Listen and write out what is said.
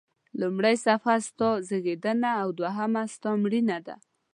لومړۍ صفحه ستا زیږېدنه او دوهمه ستا مړینه ده.